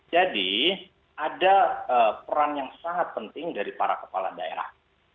jadi ada peran yang sangat penting dari para kepala daerah